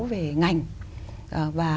về ngành và